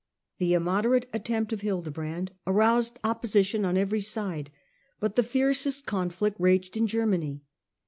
The immoderate attempt of Hildebrand aroused opposition on every side, but the fiercest conflict raged in Germany.